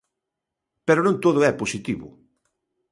Pero non todo é positivo.